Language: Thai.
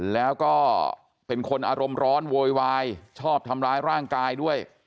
แล้วก็เป็นคนอารมณ์ร้อนโวยวายชอบทำร้ายร่างกายด้วย